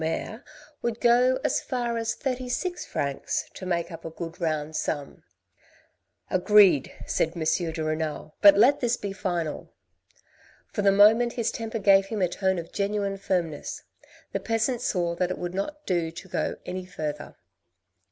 mayor would go as far as thirty six francs, to make up a good round sum." " Agreed !" said M. de Renal, " but let this be final." For the moment his temper gave him a tone of genuine firm ness. The peasant saw that it would not do to go any further.